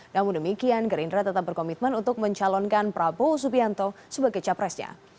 namun demikian gerindra tetap berkomitmen untuk mencalonkan prabowo subianto sebagai capresnya